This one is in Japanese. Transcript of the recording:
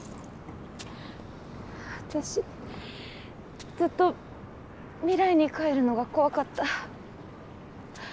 私ずっと未来に帰るのが怖かった。